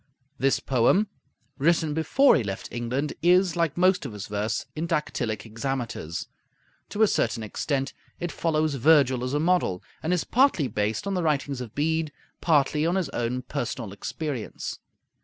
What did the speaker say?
This poem, written before he left England, is, like most of his verse, in dactylic hexameters. To a certain extent it follows Virgil as a model, and is partly based on the writings of Bede, partly on his own personal experience.